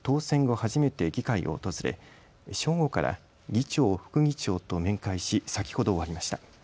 初めて議会を訪れ、正午から議長、副議長と面会し先ほど終わりました。